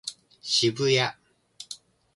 渋谷